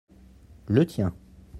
le tien.